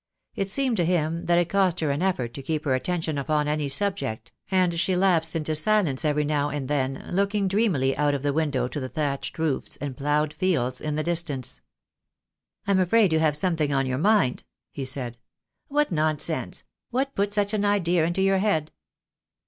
It seemed to him that it cost her an effort to keep her at tention upon any subject, and she lapsed into silence every now and then, looking dreamily out of the window to the thatched roofs and ploughed fields in the distance. "I'm afraid you have something on your mind," he said. "What nonsense! What put such an idea into your head?"